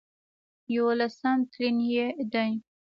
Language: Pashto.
يوولسم تلين يې دی